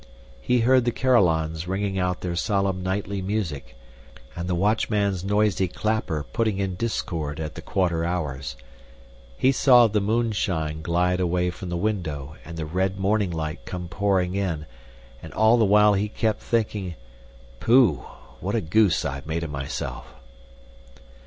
He heard the carillons ringing out their solemn nightly music and the watchman's noisy clapper putting in discord at the quarter hours; he saw the moonshine glide away from the window and the red morning light come pouring in, and all the while he kept thinking, Pooh! what a goose I have made of myself!